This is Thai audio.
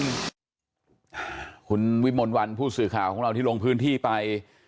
คุณวิมลวันผู้สื่อข่าวของเราที่ลงพื้นที่ไป